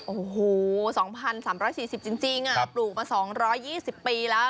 โอ้โห๒๓๔๐จริงปลูกมา๒๒๐ปีแล้ว